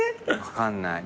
分かんない。